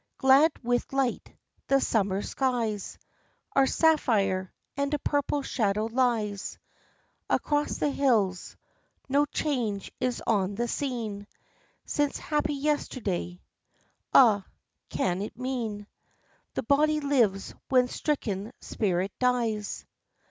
Glad with light, the summer skies Are sapphire, and a purple shadow lies Across the hills no change is on the scene Since happy yesterday. Ah! can it mean The body lives when stricken spirit dies?